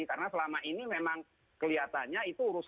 karena selama ini memang kelihatannya